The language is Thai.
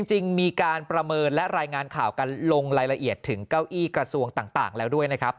จริงมีการประเมินและรายงานข่าวกันลงรายละเอียดถึงเก้าอี้กระทรวงต่างแล้วด้วยนะครับ